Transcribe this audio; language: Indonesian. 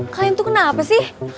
kalian tuh kenapa sih